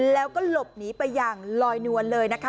แล้วก็หลบหนีไปอย่างลอยนวลเลยนะคะ